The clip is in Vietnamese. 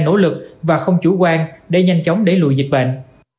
nỗ lực và không chủ quan để nhanh chóng để lùi dịch bệnh